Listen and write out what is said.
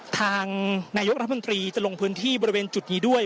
ทางนายกรัฐมนตรีจะลงพื้นที่บริเวณจุดนี้ด้วย